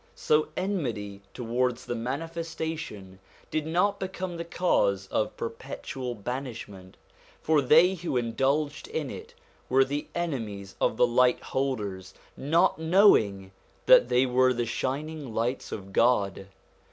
So enmity towards the Manifestation did not become the cause of perpetual banishment; for they who indulged in it were the enemies of the light holders, not knowing that they were the shining lights of God.